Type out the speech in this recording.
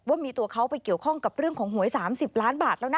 ว่ามีตัวเขาไปเกี่ยวข้องกับเรื่องของหวย๓๐ล้านบาทแล้วนะ